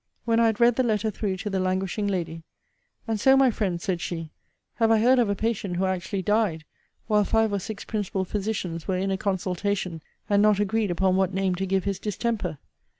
When I had read the letter through to the languishing lady, And so, my friends, said she, have I heard of a patient who actually died, while five or six principal physicians were in a consultation, and not agreed upon what name to give his distemper.